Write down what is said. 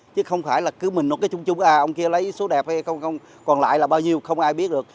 chứ không phải là cứ mình nói trúng trúng à ông kia lấy số đẹp hay không còn lại là bao nhiêu không ai biết được